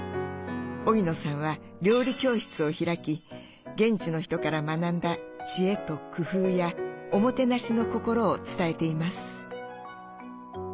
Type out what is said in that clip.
荻野さんは料理教室を開き現地の人から学んだ知恵と工夫やおもてなしの心を伝えています。